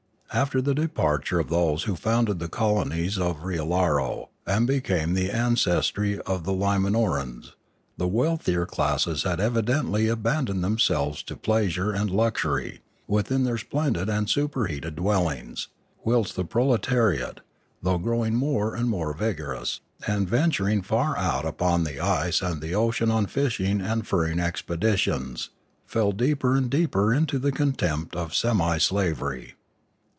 After the departure of these who founded the colonies of Riallaro and became the ancestry of the Limanorans, the wealthier classes had evidently abandoned themselves to pleasure and luxury within their splendid and superheated dwell ings, whilst the proletariate, though growing more vigorous, and venturing far out upon the ice and the ocean on fishing and furring expeditions, fell deeper and deeper into the contempt of semi slavery.